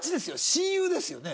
親友ですよね？